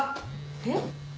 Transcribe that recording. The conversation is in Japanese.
えっ？